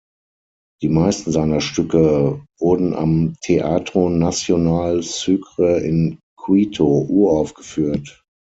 Die meisten seiner Stücke wurden am Teatro Nacional Sucre in Quito uraufgeführt.